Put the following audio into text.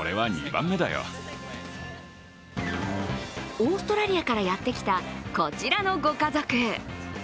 オーストラリアからやってきたこちらのご家族。